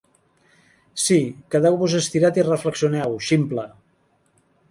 Sí, quedeu-vos estirat i reflexioneu, ximple!